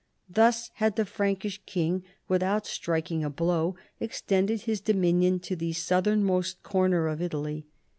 Thus had the Prankish king, without striking a blow, extended his dominion to the southernmost corner of Italy.